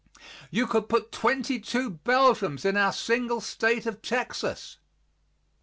You could put twenty two Belgiums in our single State of Texas.